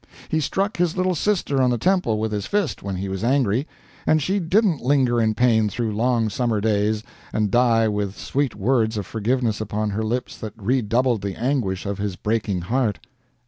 He struck his little sister on the temple with his fist when he was angry, and she didn't linger in pain through long summer days, and die with sweet words of forgiveness upon her lips that redoubled the anguish of his breaking heart.